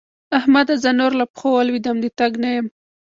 احمده! زه نور له پښو ولوېدم - د تګ نه یم.